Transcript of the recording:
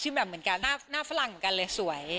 แบบเหมือนกันหน้าฝรั่งเหมือนกันเลยสวย